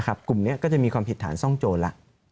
กลุ่มนี้ก็จะมีความผิดฐานซ่องโจรแล้ว